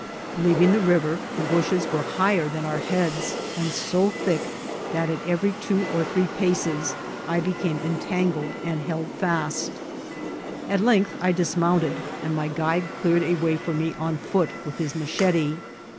Leaving the river, the bushes were higher than our heads, and so thick that at every two or three paces I became entangled and held fast ; at length I dismounted, and my guide clear ed a way for me on foot with his machete.